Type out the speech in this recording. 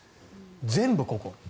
全部ここ。